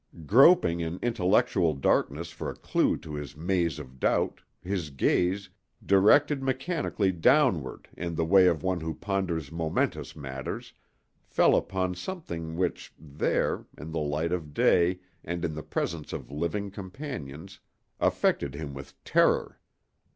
Groping in intellectual darkness for a clew to his maze of doubt, his gaze, directed mechanically downward in the way of one who ponders momentous matters, fell upon something which, there, in the light of day and in the presence of living companions, affected him with terror.